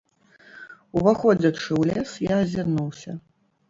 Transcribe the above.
Уваходзячы ў лес, я азірнуўся.